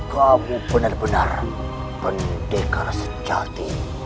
kamu benar benar pendekar sejati